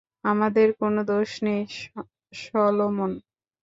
আমাদের কোন দোষ নেই, সলোমন।